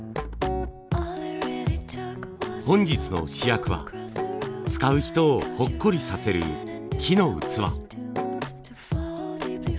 本日の主役は使う人をほっこりさせる木の器。